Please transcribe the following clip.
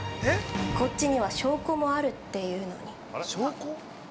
こっちには証拠もあるっていうのに◆